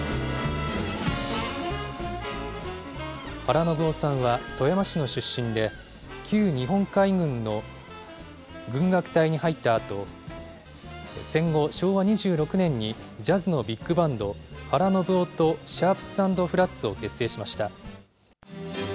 原信夫さんは富山市の出身で、旧日本海軍の軍楽隊に入ったあと、戦後、昭和２６年にジャズのビッグバンド、原信夫とシャープス＆フラッツを結成しました。